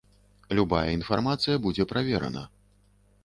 Любая інфармацыя будзе праверана.